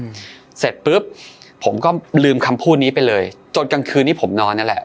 อืมเสร็จปุ๊บผมก็ลืมคำพูดนี้ไปเลยจนกลางคืนที่ผมนอนนั่นแหละ